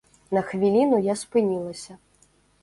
На хвіліну я спынілася.